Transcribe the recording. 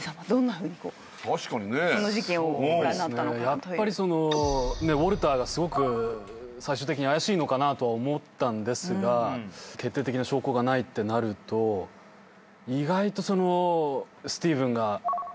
やっぱりウォルターがすごく最終的に怪しいのかと思ったんですが決定的な証拠がないってなると意外とスティーブンが。